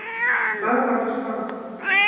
وَقَالَ بَعْضُ الشُّعَرَاءِ ،